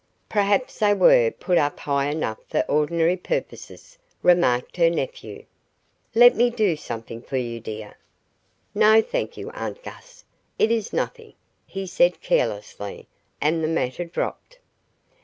"Perhaps they were put up high enough for ordinary purposes," remarked her nephew. "Let me do something for you, dear." "No, thank you, aunt Gus. It is nothing," he said carelessly, and the matter dropped.